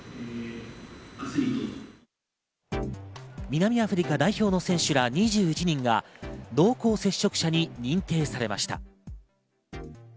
南アフリカ代表の選手ら２１人は濃厚接触者に認定されました。